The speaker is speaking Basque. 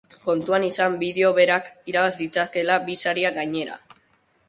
Kontuan izan bideo berak irabaz ditzakeela bi sariak gainera.